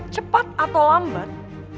cepat atau lambat